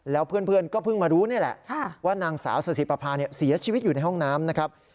แล้วเพื่อนก็เพิ่งมารู้นี่แหละว่านางสาวสถิปภาเสียชีวิตอยู่ในห้องน้ำนะครับ